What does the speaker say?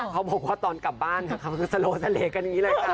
เขาบอกว่าตอนกลับบ้านสโลเสลกกันอย่างนี้เลยค่ะ